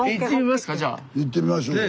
行ってみましょうよ。